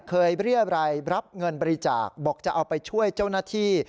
เรียบรายรับเงินบริจาคบอกจะเอาไปช่วยเจ้าหน้าที่